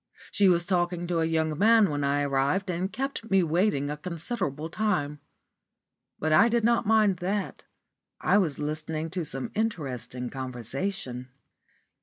She was talking to a young man when I arrived, and kept me waiting a considerable time. But I did not mind that; I was listening to some interesting conversation.